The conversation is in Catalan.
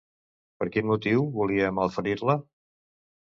Per quin motiu volia malferir-la?